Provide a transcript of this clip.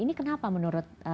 ini kenapa menurut jad